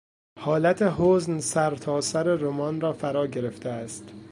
حالت حزن سرتاسر رمان را فرا گرفته است.